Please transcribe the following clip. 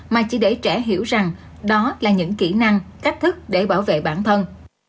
mà chỉ để trẻ hiểu rằng đó là những kỹ năng cách thức để bảo vệ bản thân